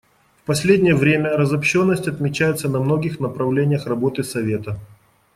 В последнее время разобщенность отмечается на многих направлениях работы Совета.